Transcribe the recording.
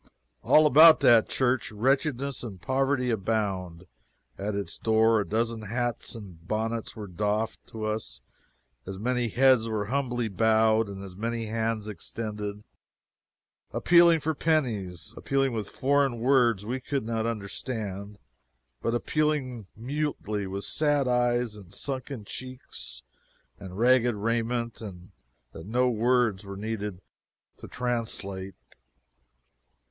All about that church wretchedness and poverty abound. At its door a dozen hats and bonnets were doffed to us, as many heads were humbly bowed, and as many hands extended, appealing for pennies appealing with foreign words we could not understand, but appealing mutely, with sad eyes, and sunken cheeks, and ragged raiment, that no words were needed to translate.